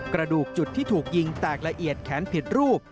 กระดูกจุดที่ถูกยิงแตกละเอียดแขนผิดรูป